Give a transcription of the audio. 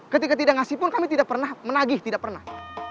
ketika tidak ngasih pun kami tidak pernah menagih tidak pernah